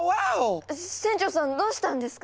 船長さんどうしたんですか？